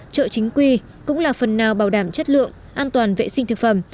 chợ chính quy cũng là phần nào bảo đảm chất lượng an toàn vệ sinh thực phẩm